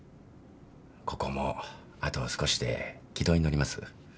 ここもあと少しで軌道に乗ります。